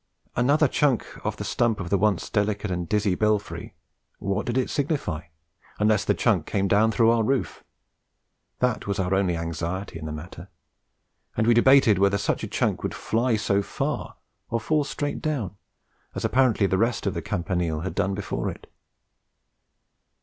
Another chunk off the stump of the once delicate and dizzy belfry, what did it signify unless the chunk came through our roof? That was our only anxiety in the matter, and we debated whether such a chunk would fly so far, or fall straight down as apparently the rest of the campanile had done before it.